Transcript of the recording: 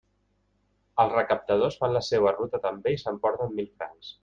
Els recaptadors fan la seua ruta també i s'emporten mil francs.